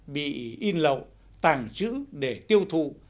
bị in lậu tàng trữ để tiêu thụ